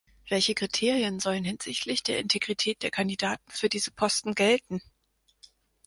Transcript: Welche Kriterien sollen hinsichtlich der Integrität der Kandidaten für diesen Posten gelten?